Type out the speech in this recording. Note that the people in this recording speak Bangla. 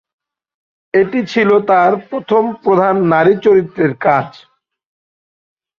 এটি ছিল তার প্রথম প্রধান নারী চরিত্রে কাজ।